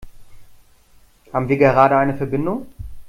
Haben wir gerade eine Verbindung?